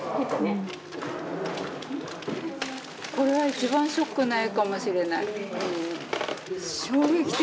これは一番ショックな絵かもしれない。